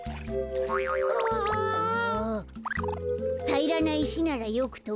たいらないしならよくとぶよ。